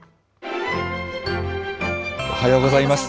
おはようございます。